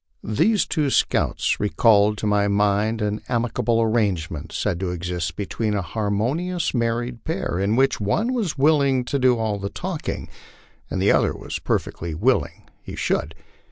These two scouts recalled to my mind an amicable arrangement said to exist between a harmonious married pair, in which one was willing to do all the talking and the other was perfectly willing he should.